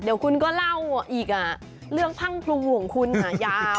เดี๋ยวคุณก็เล่าอีกเรื่องพังพลูของคุณยาว